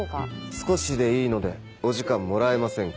少しでいいのでお時間もらえませんか？